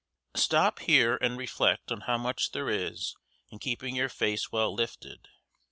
Stop here and reflect on how much there is in keeping your face well lifted.